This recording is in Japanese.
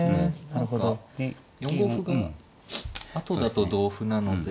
何か４五歩が後だと同歩なので。